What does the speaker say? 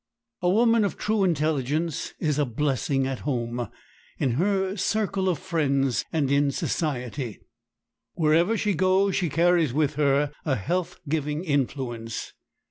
A woman of true intelligence is a blessing at home, in her circle of friends, and in society. Wherever she goes she carries with her a health giving influence.